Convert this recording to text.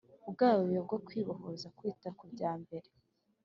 rwayo rwo kwibohoza Kwita ku bya mbere